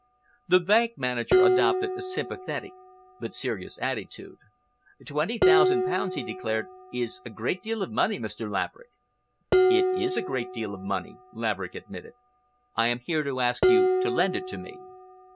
The bank manager adopted a sympathetic but serious attitude. "Twenty thousand pounds," he declared, "is a great deal of money, Mr. Laverick." "It is a great deal of money," Laverick admitted. "I am here to ask you to lend it to me."